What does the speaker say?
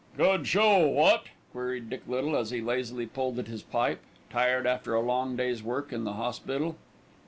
"Good show, what?" queried Dick Little as he lazily pulled at his pipe, tired after a long day's work in the hospital.